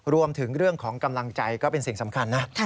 รวมถึงเรื่องของกำลังใจก็เป็นสิ่งสำคัญนะ